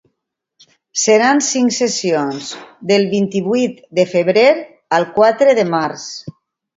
Seran cinc sessions, del vint-i-vuit de febrer al quatre de març.